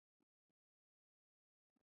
所以防卫和竞争便成为了生活的模式。